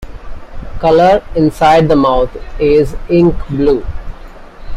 Color inside the mouth is ink-blue.